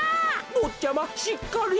ぼっちゃましっかり。